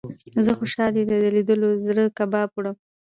زه خوشال يې له ليدلو زړه کباب وړم